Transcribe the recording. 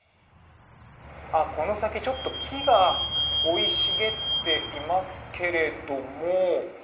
この先、ちょっと木が生い茂っていますけれども。